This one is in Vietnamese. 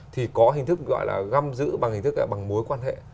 thì có hình thức gọi là găm giữ bằng hình thức bằng mối quan hệ